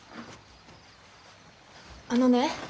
あのね